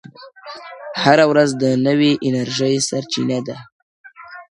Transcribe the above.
هره ورځ د نوې انرژۍ سرچینه ده،